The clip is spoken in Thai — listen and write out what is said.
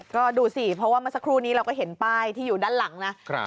ก็ดูสิเพราะว่าเมื่อสักครู่นี้เราก็เห็นป้ายที่อยู่ด้านหลังนะ